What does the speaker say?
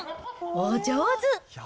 お上手。